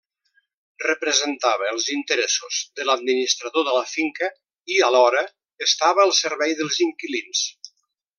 Representava els interessos de l’administrador de la finca i, alhora, estava al servei dels inquilins.